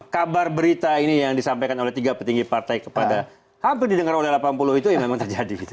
kabar berita ini yang disampaikan oleh tiga petinggi partai kepada hampir didengar oleh delapan puluh itu ya memang terjadi gitu